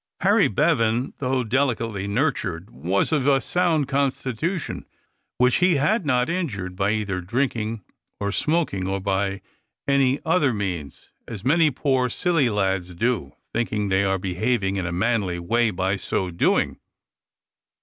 Harry Bevan, though delicately nurtured, was of a sound constitution, which he had not injured by either drinking or smoking, or by any other means, as many poor silly lads do, thinking they are behaving in a manly way by so doing.